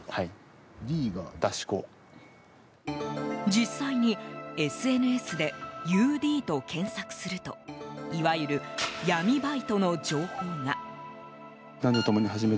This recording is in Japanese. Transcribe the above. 実際にＳＮＳでＵＤと検索するといわゆる闇バイトの情報が。